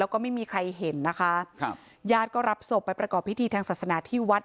แล้วก็ไม่มีใครเห็นนะคะครับญาติก็รับศพไปประกอบพิธีทางศาสนาที่วัด